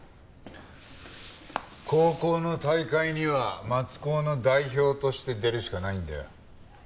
高校の大会には松高の代表として出るしかないんだよ。